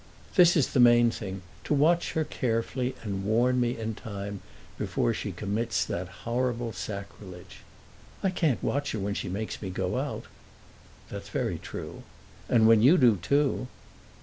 "This is the main thing: to watch her carefully and warn me in time, before she commits that horrible sacrilege." "I can't watch her when she makes me go out." "That's very true." "And when you do, too."